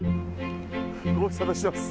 ご無沙汰してます。